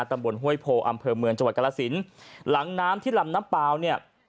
ห้วยโพอำเภอเมืองจังหวัดกรสินหลังน้ำที่ลำน้ำเปล่าเนี่ย